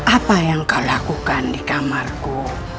apa yang kau lakukan di kamarku